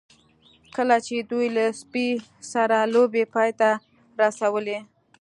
کله چې دوی له سپي سره لوبې پای ته ورسولې